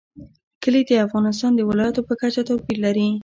کلي د افغانستان د ولایاتو په کچه توپیر لري.